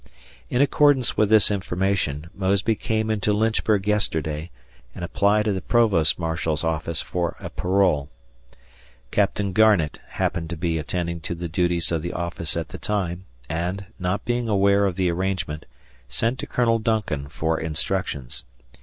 In accordance with this information, Mosby came into Lynchburg yesterday, and applied at the Provost Marshal's office for a parole. Capt. Garnett happened to be attending to the duties of the office at the time and, not being aware of the arrangement, sent to Col. Duncan for instructions.